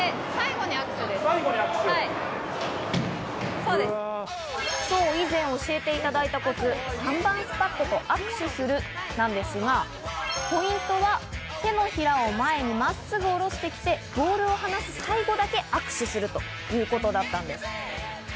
そう、以前教えていただいたコツ、３番スパットと握手するなのですが、ポイントは手のひらを前に真っすぐおろしてきて、ボールを離す最後だけ握手するということだったんです。